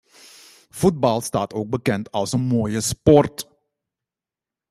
Voetbal staat ook bekend als een mooie sport.